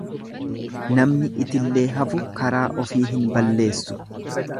Namni itillee hafu karaa ofii hin balleessu.